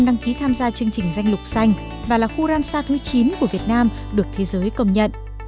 đăng ký tham gia chương trình danh lục xanh và là khu ram xa thứ chín của việt nam được thế giới công nhận